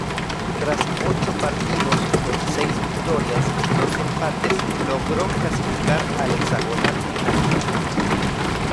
Tras ocho partidos, con seis victorias y dos empates, logró clasificar al hexagonal final.